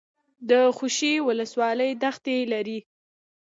د خوشي ولسوالۍ دښتې لري